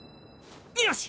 よし！